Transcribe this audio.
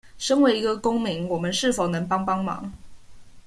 身為一個公民我們是否能幫幫忙